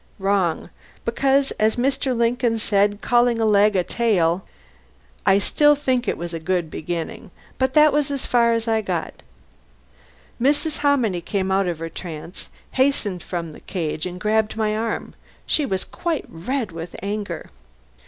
Wrong; because, as Mr. Lincoln said, calling a leg a tail...." I still think it was a good beginning. But that was as far as I got. Mrs. Hominy came out of her trance, hastened from the cage, and grabbed my arm. She was quite red with anger.